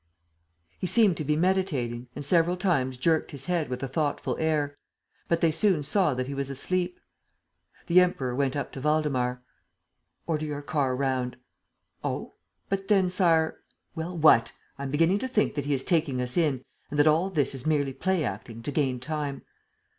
He seemed to be meditating and several times jerked his head with a thoughtful air: but they soon saw that he was asleep. The Emperor went up to Waldemar: "Order your car round." "Oh? ... But then, Sire ...?" "Well, what? I am beginning to think that he is taking us in and that all this is merely play acting, to gain time."